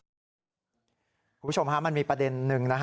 คุณผู้ชมมันมีประเด็นนึง